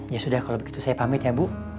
ya sudah kalau begitu saya pamit ya bu